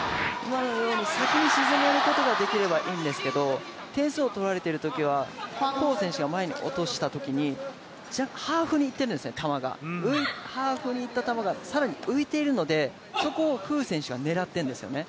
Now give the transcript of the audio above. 先に沈めることができればいいんですけど、点数を取られているときは黄選手が前に落としたときに、ハーフに行っているんですね、球がハーフに行った球が更に浮いているので、そこを馮選手が狙ってるんですよね。